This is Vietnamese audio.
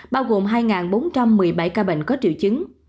bao gồm hai bốn trăm một mươi bảy ca bệnh có triệu chứng